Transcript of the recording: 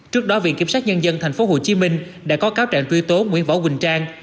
trước đó viện kiểm sát nhân dân tp hcm đã có cáo trạng truy tố nguyễn võ quỳnh trang